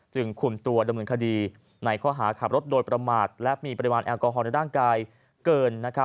คุมตัวดำเนินคดีในข้อหาขับรถโดยประมาทและมีปริมาณแอลกอฮอลในร่างกายเกิน